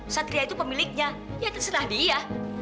satria itu pemiliknya ya terserah dia